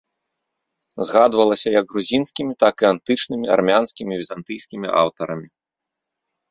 Згадвалася як грузінскімі, так і антычнымі, армянскімі, візантыйскімі аўтарамі.